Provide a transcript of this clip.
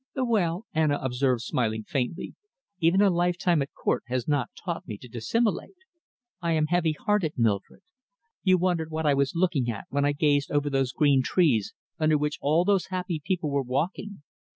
"Well," Anna observed, smiling faintly, "even a lifetime at Court has not taught me to dissimulate. I am heavy hearted, Mildred. You wondered what I was looking at when I gazed over those green trees under which all those happy people were walking.